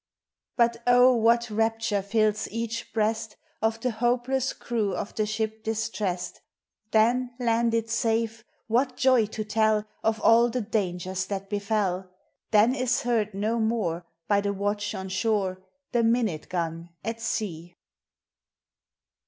But O, what rapture fills each breast Of the hopeless crew of the ship distressed ! Then, landed safe, what joy to tell Of all the dangers that befell ! Then is heard no more, By the watch on shore, The minute gun at sea.